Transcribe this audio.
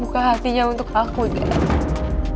buka hatinya untuk aku gitu